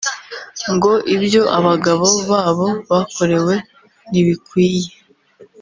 ngo ibyo abagabo babo bakorewe ntibikwiye